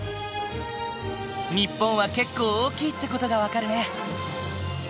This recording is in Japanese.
日本は結構大きいって事が分かるね。